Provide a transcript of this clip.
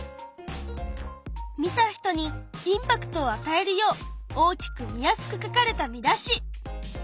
見た人にインパクトをあたえるよう大きく見やすく書かれた見出し。